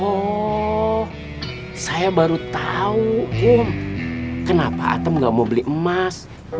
oh saya baru tahu kenapa atem gak mau beli emas